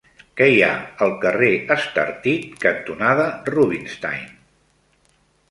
Què hi ha al carrer Estartit cantonada Rubinstein?